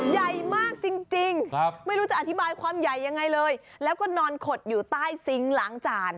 ใหญ่มากจริงไม่รู้จะอธิบายความใหญ่ยังไงเลยแล้วก็นอนขดอยู่ใต้ซิงค์หลังจาน